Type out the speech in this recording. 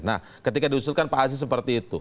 nah ketika diusulkan pak aziz seperti itu